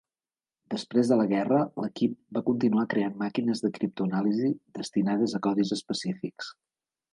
Després de la guerra, l'equip va continuar creant màquines de criptoanàlisi destinades a codis específics.